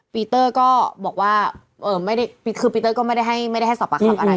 ปีเตอร์ก็บอกว่าคือปีเตอร์ก็ไม่ได้ให้สอบปากคำอะไร